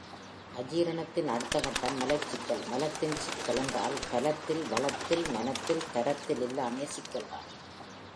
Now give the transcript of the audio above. அஜீரணத்தின் அடுத்தக் கட்டம் மலச்சிக்கல் மலத்தில் சிக்கல் என்றால் பலத்தில், வளத்தில், மனத்தில், தரத்தில் எல்லாமே சிக்கல்தான்.